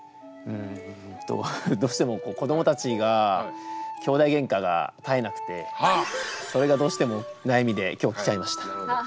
うんとどうしても子どもたちがきょうだいゲンカが絶えなくてそれがどうしても悩みで今日来ちゃいました。